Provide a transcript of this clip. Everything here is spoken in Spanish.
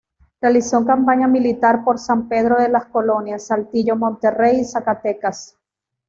Realizó campaña militar por San Pedro de las Colonias, Saltillo, Monterrey y Zacatecas.